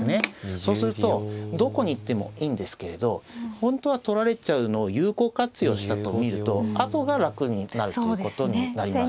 そうするとどこに行ってもいいんですけれど本当は取られちゃうのを有効活用したと見ると後が楽になるということになります。